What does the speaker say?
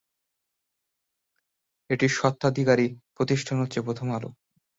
এটির স্বত্বাধিকারী প্রতিষ্ঠান হচ্ছে প্রথম আলো।